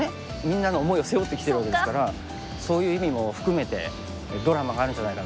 みんなの思いを背負って来てるわけですからそういう意味も含めてドラマがあるんじゃないかなと思いますよね。